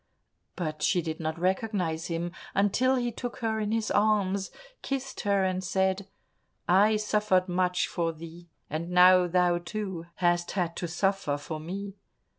But she did not recognize him until he took her in his arms, kissed her, and said, "I suffered much for thee and now thou, too, hast had to suffer for me."